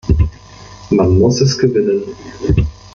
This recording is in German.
Man muss es gewinnen.